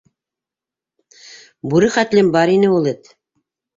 Бүре хәтлем бар ине ул эт.